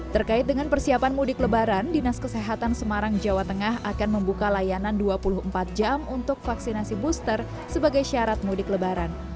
terkait dengan persiapan mudik lebaran dinas kesehatan semarang jawa tengah akan membuka layanan dua puluh empat jam untuk vaksinasi booster sebagai syarat mudik lebaran